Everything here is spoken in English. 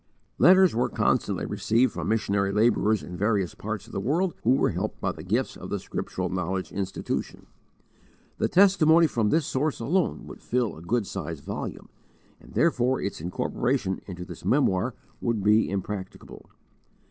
Letters were constantly received from missionary labourers in various parts of the world who were helped by the gifts of the Scriptural Knowledge Institution. The testimony from this source alone would fill a good sized volume, and therefore its incorporation into this memoir would be impracticable.